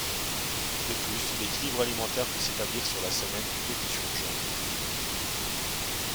De plus, l'équilibre alimentaire peut s'établir sur la semaine plutôt que sur une journée.